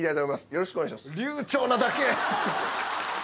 よろしくお願いします！